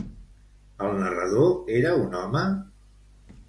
El narrador era un home?